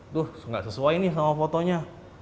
tuh gak sesuai nih sama fotonya